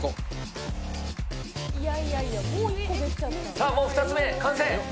これ、さあ、もう２つ目、完成。